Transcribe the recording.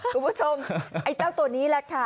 คุณผู้ชมไอ้เจ้าตัวนี้แหละค่ะ